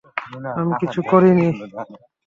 আমি কিচ্ছু করিনি!